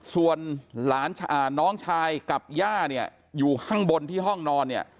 ส่วนน้องชายกับย่าอยู่ข้างบนที่ห้องนอน